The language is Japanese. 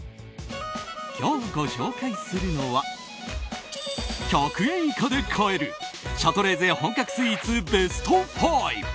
今日ご紹介するのは１００円以下で買えるシャトレーゼ本格スイーツベスト５。